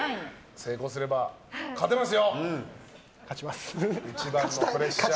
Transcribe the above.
成功すれば勝てます。